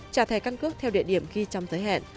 trả thẻ căn cước theo địa điểm ghi trong giới hẹn